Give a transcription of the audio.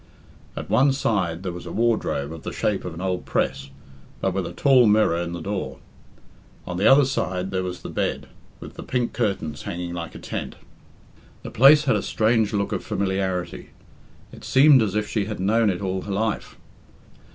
At one side there was a wardrobe of the shape of an old press, but with a tall mirror in the door; on the other side there was the bed, with the pink curtains hanging like a tent. The place had a strange look of familiarity. It seemed as if she had known it all her life.